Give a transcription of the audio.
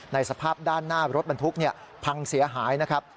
สภาพด้านหน้ารถบรรทุกพังเสียหายนะครับ